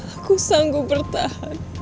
aku sanggup bertahan